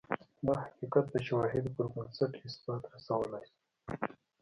دا حقیقت د شواهدو پربنسټ اثبات رسولای شو.